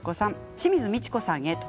清水ミチコさんへ。